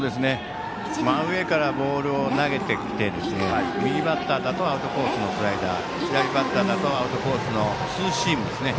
真上からボールを投げてきて右バッターだとアウトコースのスライダー左バッターだとアウトコースのツーシームですね。